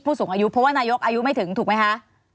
สูงอายุเพราะว่านายกอายุไม่ถึงถูกไหมคะ